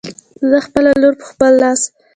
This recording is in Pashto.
زه خپله لور په خپل لاس